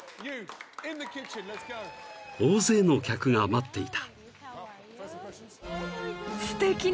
［大勢の客が待っていた］